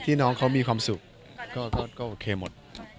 น้องเขามีความสุขก็โอเคหมด